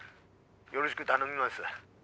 よろしぐ頼みます。